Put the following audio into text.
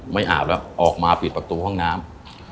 อาบแล้วออกมาปิดประตูห้องน้ำ